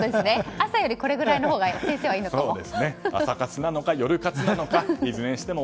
朝よりこれぐらいのほうが先生はいいのかも。